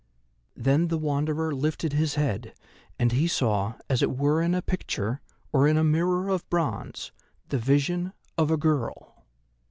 Then the Wanderer lifted his head, and he saw, as it were in a picture or in a mirror of bronze, the vision of a girl.